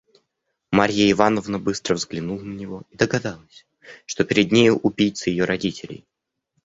Марья Ивановна быстро взглянула на него и догадалась, что перед нею убийца ее родителей.